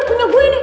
punya gue nih